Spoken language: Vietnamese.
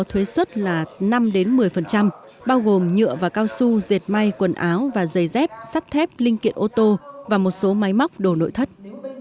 thuế xuất là năm một mươi bao gồm nhựa và cao su dệt may quần áo và giày dép sắt thép linh kiện ô tô và một số máy móc đồ nội thất